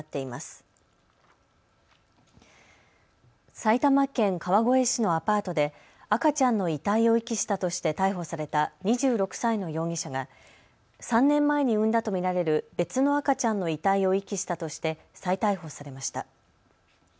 埼玉県川越市のアパートで赤ちゃんの遺体を遺棄したとして逮捕された２６歳の容疑者が３年前に産んだと見られる別の赤ちゃんの遺体を遺棄したとして再逮捕されました。